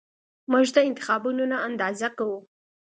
موږ دا انتخابونه نه اندازه کوو